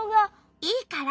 いいから！